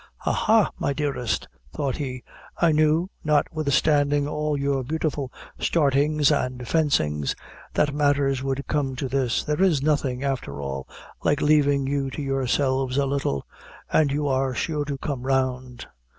"Ha! ha! my dearest," thought he, "I knew, notwithstanding all your beautiful startings and fencings, that matters would come to this. There is nothing, after all, like leaving you to yourselves a little, and you are sure to come round.